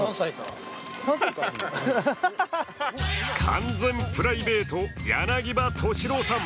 完全プライベート柳葉敏郎さん。